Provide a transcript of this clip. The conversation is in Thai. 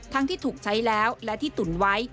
ที่ถูกใช้แล้วและที่ตุ๋นไว้